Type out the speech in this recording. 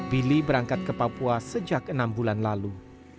billy berangkat ke papua sejak enam bulan lalu